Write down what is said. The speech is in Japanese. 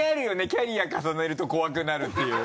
キャリア重ねると怖くなるっていう。